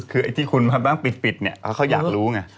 คือไอ้ที่คุณมาบ้างปิดเนี่ยเขาอยากรู้ไง